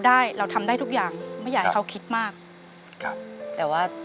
เปลี่ยนเพลงเพลงเก่งของคุณและข้ามผิดได้๑คำ